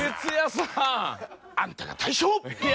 あんたが大将！